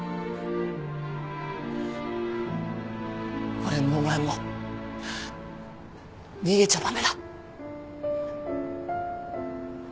俺もお前も逃げちゃ駄目だ